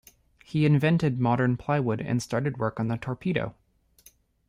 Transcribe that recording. He invented modern plywood and started work on the torpedo.